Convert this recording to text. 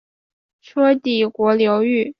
车底国流域。